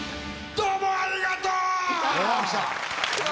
「どうもありがとう！」